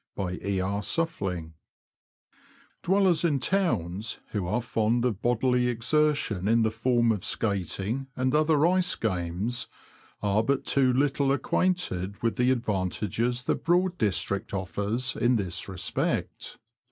— E. R. S. [f^j^WELLERS in towns who are fond of bodily exertion in the form of skating and other ice games, are but too little acquainted with the advantages the Broad district offers in this respect.